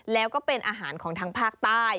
แล้วก็เป็นอาหารของทางภาคใต้